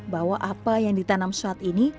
bahwa apa yang ditanam saat ini